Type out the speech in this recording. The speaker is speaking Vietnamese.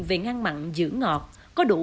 về ngăn mặn dưỡng ngọt có đủ